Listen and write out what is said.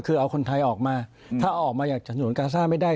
คือเอาคนไทยออกมาถ้าออกมาจากฉนวนกาซ่าไม่ได้